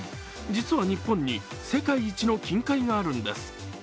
実は、日本に世界一の金塊があるんです。